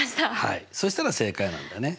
そしたら正解なんだね。